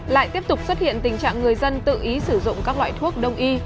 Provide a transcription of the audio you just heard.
lại tiếp tục xuất hiện tình trạng người dân tự ý sử dụng các loại thuốc đông y